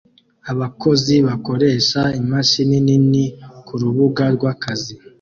Abakozi bakoresha imashini nini kurubuga rwakazi